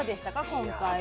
今回は。